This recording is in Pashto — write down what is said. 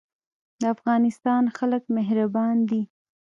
د افغانستان خلک مهربان دي